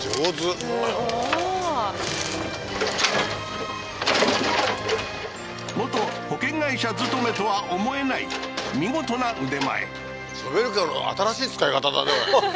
すごい元保険会社勤めとは思えない見事な腕前ショベルカーの新しい使い方だね